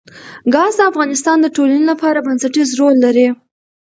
ګاز د افغانستان د ټولنې لپاره بنسټيز رول لري.